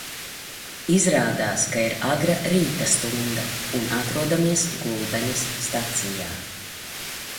Izrādās, ka ir agra rīta stunda un atrodamies Gulbenes stacijā.